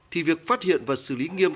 thì việc phát hiện và xử lý nghiêm